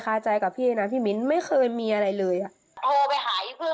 คาใจกับพี่นะพี่มิ้นไม่เคยมีอะไรเลยอ่ะโทรไปหายังพึ่ง